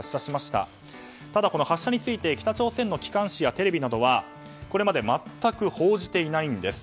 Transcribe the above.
ただ発射について北朝鮮の機関紙やテレビなどはこれまで全く報じていないんです。